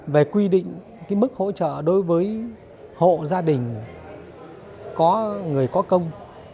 về quy định mức hỗ trợ đối với hộ gia đình có người có công